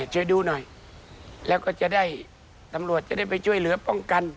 ช่วยดูหน่อยแล้วก็จะได้ตำรวจจะได้ไปช่วยเหลือป้องกัน